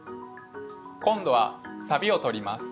今度はサビを取ります。